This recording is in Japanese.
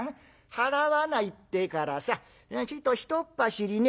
払わないってからさちょいとひとっ走りね